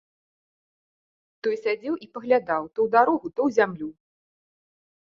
Той сядзеў і паглядаў то ў дарогу, то ў зямлю.